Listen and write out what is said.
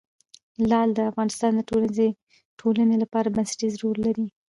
لعل د افغانستان د ټولنې لپاره بنسټيز رول لري.